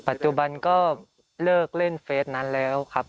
ปัจจุบันก็เลิกเล่นเฟสนั้นแล้วครับ